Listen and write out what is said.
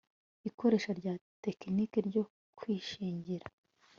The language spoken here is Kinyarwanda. ikoresha rya tekinike ryo kwishingira